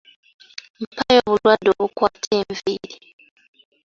Mpaayo obulwadde obukwata enviiri.